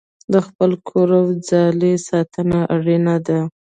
د خپل کور او ځالې ساتنه اړینه ده.